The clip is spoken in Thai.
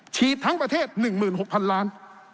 ทั้งประเทศ๑๖๐๐๐ล้าน